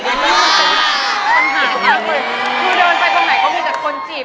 สำหรับที่คือเดินไปทางไหนก็มีแต่คนจีบ